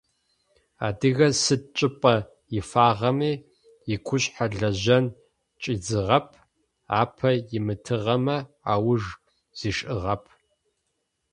Адыгэр сыд чӏыпӏэ ифагъэми игушъхьэ лэжьэн чӏидзыгъэп, апэ имытыгъэмэ, ауж зишӏыгъэп.